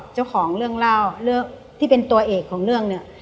เจ้าของเรื่องเล่าเรื่องที่เป็นตัวเอกของเรื่องเนี่ย